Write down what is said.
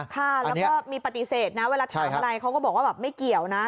ค่ะแล้วก็มีปฏิเสธนะเวลาถามอะไรเขาก็บอกว่าแบบไม่เกี่ยวนะ